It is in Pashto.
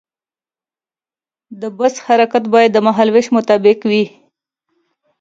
د بس حرکت باید د مهال ویش مطابق وي.